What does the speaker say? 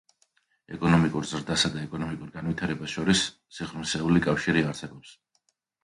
ეკონომიკურ ზრდასა და ეკონომიკურ განვითარებას შორის სიღრმისეული კავშირი არსებობს.